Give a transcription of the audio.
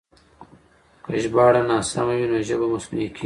که ژباړه ناسمه وي نو ژبه مصنوعي کېږي.